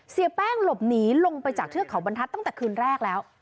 เสียแป้งหลบหนีลงไปจากเทือกเขาบรรทัศน์ตั้งแต่คืนแรกแล้ว